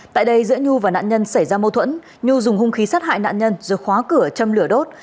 tại đây giữa nhu và nạn nhân xảy ra mâu thuẫn nhu dùng hung khí sát hại nạn nhân rồi khóa cửa châm lửa đốt